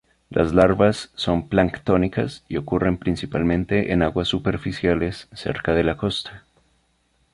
Las larvas son planctónicas y ocurren principalmente en aguas superficiales cerca de la costa.